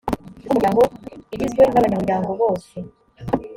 rw umuryango igizwe n abanyamuryango bose